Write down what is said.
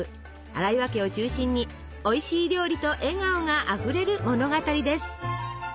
荒岩家を中心においしい料理と笑顔があふれる物語です。